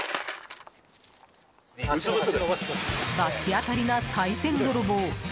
罰当たりな、さい銭泥棒。